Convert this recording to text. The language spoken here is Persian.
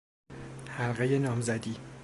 حلقهی نامزدی